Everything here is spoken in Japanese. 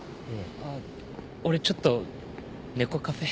あっ俺ちょっと猫カフェ。